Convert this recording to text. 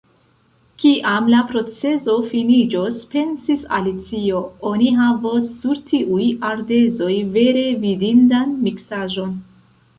"Kiam la proceso finiĝos," pensis Alicio, "oni havos sur tiuj ardezoj vere vidindan miksaĵon!"